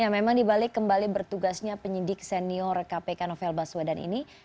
memang dibalik kembali bertugasnya penyidik senior kpk novel baswedan ini